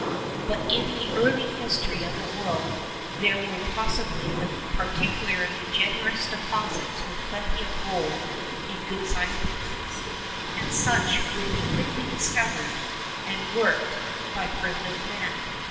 But in the early history of the world there were possibly particularly generous deposits with plenty of gold in good sized pieces, and such would be quickly discovered and worked by primitive man.